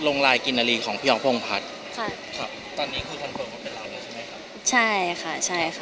ลงรายกินนาลีของพี่ยองโภงพัดค่ะตอนนี้คือทันเปิดมาเป็นราวแล้วใช่ไหมครับ